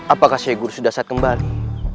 apakah syekh guru sudah saat kembali